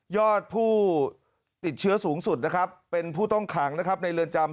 อดผู้ติดเชื้อสูงสุดนะครับเป็นผู้ต้องขังนะครับในเรือนจำ